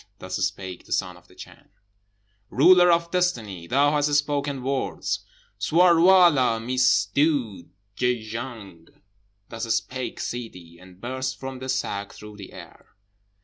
Thus spake the Son of the Chan. "Ruler of Destiny, thou hast spoken words! Ssarwala missdood jakzang!" Thus spake Ssidi, and burst from the sack through the air.